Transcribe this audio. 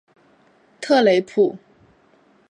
特雷普。